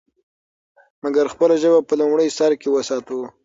مګر خپله ژبه په لومړي سر کې وساتو.